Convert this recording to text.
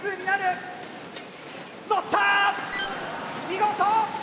見事！